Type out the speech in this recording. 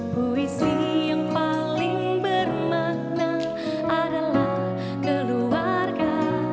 puisi yang paling bermakna adalah keluarga